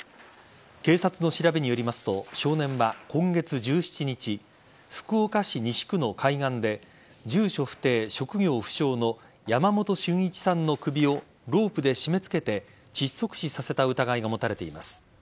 警察の調べによりますと少年は今月１７日福岡市西区の海岸で住所不定・職業不詳の山本駿一さんの首をロープで絞めつけて窒息死させた疑いが持たれています。